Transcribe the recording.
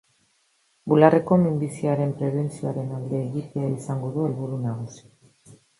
Bularreko minbiziaren prebentzioaren alde egitea izango du helburu nagusi.